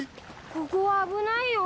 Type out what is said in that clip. ここは危ないよ。